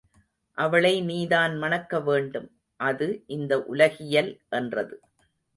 அவளை நீ தான் மணக்க வேண்டும், அது இந்த உலகியல் என்றது.